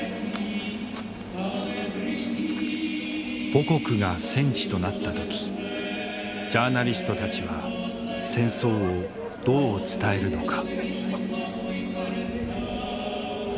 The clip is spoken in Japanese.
母国が戦地となった時ジャーナリストたちは戦争をどう伝えるのか。